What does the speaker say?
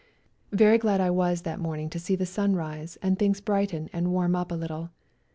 Very glad I was that morning to see the sun rise and things brighten and warm up a little.